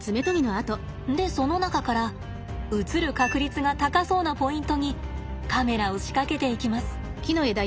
でその中から映る確率が高そうなポイントにカメラを仕掛けていきます。